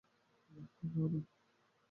হ্যাঁ বা না?